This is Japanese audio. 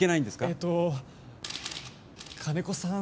えっと金子さん